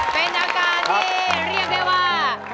เป็นอาการที่เรียกได้ว่า